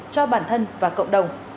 cho bản thân và cộng đồng